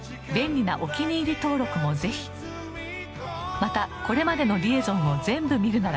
またこれまでの『リエゾン』を全部見るなら ＴＥＬＡＳＡ で